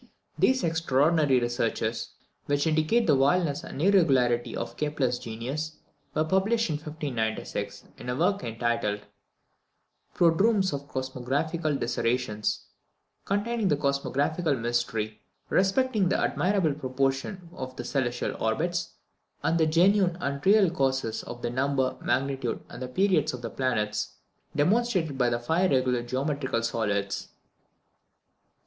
These extraordinary researches, which indicate the wildness and irregularity of Kepler's genius, were published in 1596, in a work entitled, "Prodromus of Cosmographical Dissertations; containing the cosmographical mystery respecting the admirable proportion of the celestial orbits, and the genuine and real causes of the number, magnitude, and periods of the planets demonstrated by the five regular geometrical solids."